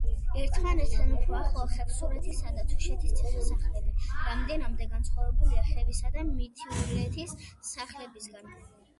ერთმანეთთან უფრო ახლოა ხევსურეთისა და თუშეთის ციხე-სახლები, რამდენადმე განსხვავებულია ხევისა და მთიულეთის სახლებისაგან.